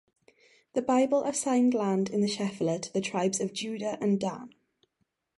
The Bible assigned land in the Shephelah to the tribes of Judah and Dan.